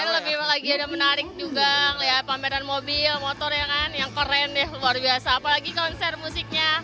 lagi ada menarik juga pameran mobil motor yang keren deh luar biasa apalagi konser musiknya